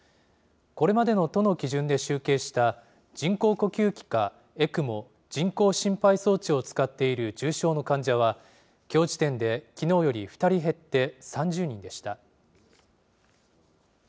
これまでの都の基準で集計した、人工呼吸器か、ＥＣＭＯ・人工心肺装置を使っている重症の患者は、きょう時点できのうより２人減って３０人でした。